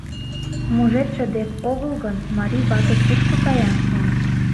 Мужедше дек огыл гын, марий вате кушко кая, шонет...